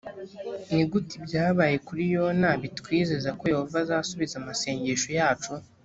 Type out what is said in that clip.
ni gute ibyabaye kuri yona bitwizeza ko yehova azasubiza amasengesho yacu?